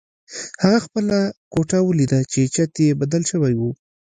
هغه خپله کوټه ولیده چې چت یې بدل شوی و